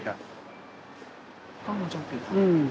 กล้องวงจรปิด